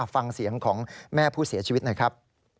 ฟังเสียงของแม่ผู้เสียชีวิตหน่อยครับ